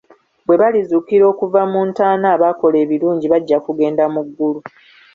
Bwe balizuukira okuva mu ntaana abaakola ebirungi bajja kugenda mu ggulu.